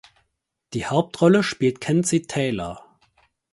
Die Hauptrolle spielt Kenzie Taylor.